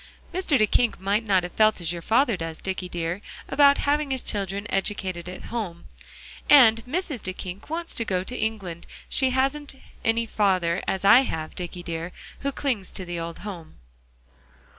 "Mr. Duyckink might not have felt as your father does, Dicky dear, about having his children educated at home; and Mrs. Duyckink wants to go to England; she hasn't any father, as I have, Dicky dear, who clings to the old home."